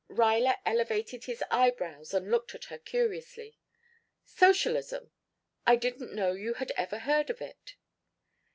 Ruyler elevated his eyebrows and looked at her curiously. "Socialism. I didn't know you had ever heard of it."